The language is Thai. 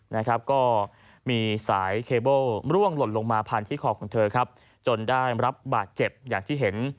นะครับก็มีสายเคเบิ้ลร่วงหล่นลงมาพันที่คอของเธอครับจนได้รับบาดเจ็บอย่างที่เห็น